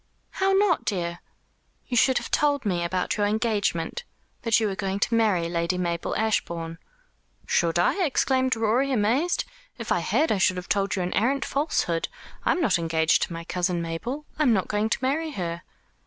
"How not, dear?" "You should have told me about your engagement that you were going to marry Lady Mabel Ashbourne." "Should I?" exclaimed Rorie, amazed. "If I had I should have told you an arrant falsehood. I am not engaged to my cousin Mabel. I am not going to marry her."